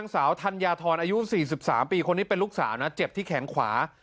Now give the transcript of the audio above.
แสวถัญาธรรมอายุสี่สิบสามปีคนนี้เป็นลูกสาวะเจ็บที่แข็งขวา